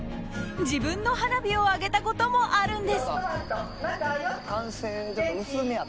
自分の花火を上げたこともあるんです。